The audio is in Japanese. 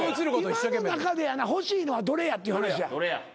今の中でやな欲しいのはどれやっていう話や。